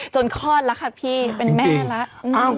คลอดแล้วค่ะพี่เป็นแม่แล้ว